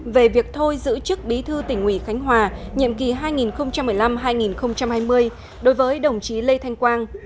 về việc thôi giữ chức bí thư tỉnh ủy khánh hòa nhiệm kỳ hai nghìn một mươi năm hai nghìn hai mươi đối với đồng chí lê thanh quang